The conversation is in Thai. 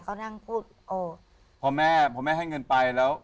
เขานั่งพูดโอ้พอแม่พอแม่ให้เงินไปแล้ว